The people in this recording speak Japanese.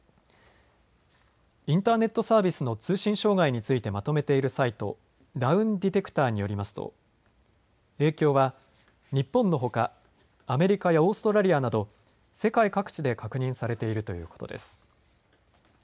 インターネットサービスの通信障害についてまとめているサイト、ダウンディテクターによりますと影響は日本のほかアメリカやオーストラリアなど世界各地で確認されているということです。